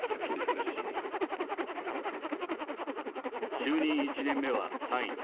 就任１年目は３位。